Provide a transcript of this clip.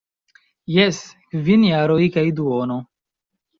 Jes, kvin jaroj kaj duono.